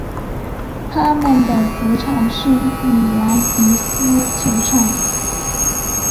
他们的主场是米兰迪斯球场。